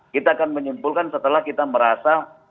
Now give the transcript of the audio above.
kita akan menyimpulkan setelah kita merasa